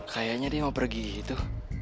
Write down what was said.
kayaknya dia mau pergi gitu